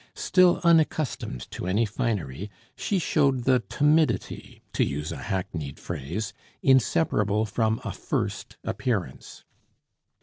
Still unaccustomed to any finery, she showed the timidity to use a hackneyed phrase inseparable from a first appearance.